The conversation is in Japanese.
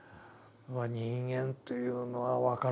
人間というのは分からない。